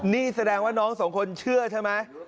นี่แสดงว่าน้องสองคนเชื่อใช่ไหม